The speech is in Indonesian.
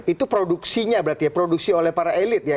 itu produksinya berarti ya produksi oleh para elit ya